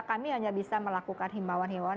kami hanya bisa melakukan himauan himauan